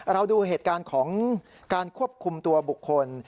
ดูเหตุการณ์ของการควบคุมตัวบุคคล